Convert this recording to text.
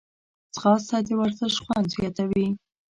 ځغاسته د ورزش خوند زیاتوي